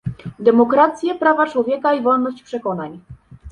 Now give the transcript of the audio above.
demokrację, prawa człowieka i wolność przekonań